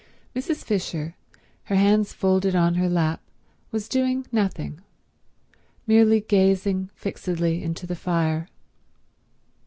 Mrs. Fisher, her hands folded on her lap, was doing nothing, merely gazing fixedly into the fire.